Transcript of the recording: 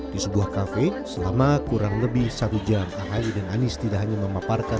di sebuah kafe selama kurang lebih satu jam ahy dan anies tidak hanya memaparkan